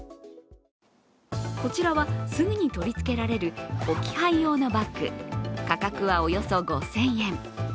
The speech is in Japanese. こちらはすぐに取り付けられる置き配用のバッグ価格はおよそ５０００円。